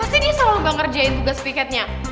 pasti dia selalu ga ngerjain tugas piketnya